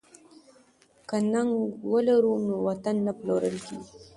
که ننګ ولرو نو وطن نه پلورل کیږي.